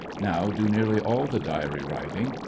Now do nearly all the diary writing.